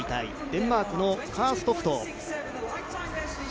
デンマークのカーストフト。